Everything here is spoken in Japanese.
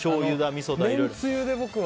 めんつゆで僕は。